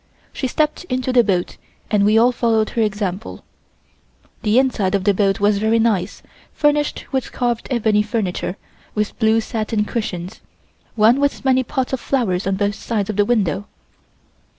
She stepped into the boat and we all followed her example. The inside of the boat was very nicely furnished with carved ebony furniture with blue satin cushions, one with many pots of flowers on both sides of the window.